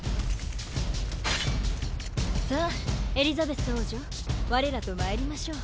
さあエリザベス王女我らと参りましょう。